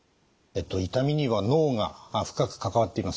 痛みには脳が深く関わっています。